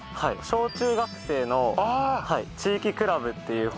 小・中学生の地域クラブっていう方で。